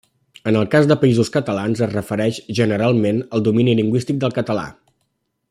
En el cas de Països Catalans es refereix, generalment, al domini lingüístic del català.